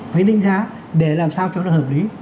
phải định giá để làm sao cho nó hợp lý